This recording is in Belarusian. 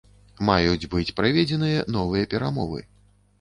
Маюць быць праведзеныя новыя перамовы.